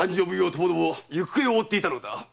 ともども行方を追っていたのだ。